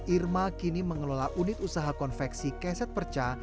irma kini mengelola unit usaha konveksi keset perca